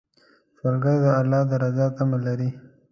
سوالګر د الله د رضا تمه لري